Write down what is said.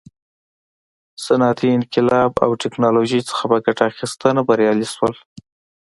صنعتي انقلاب او ټکنالوژۍ څخه په ګټه اخیستنه بریالي شول.